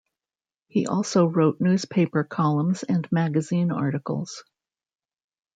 He also wrote newspaper columns and magazine articles.